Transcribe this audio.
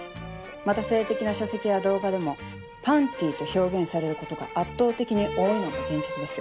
また性的な書籍や動画でも「パンティ」と表現されることが圧倒的に多いのが現実です。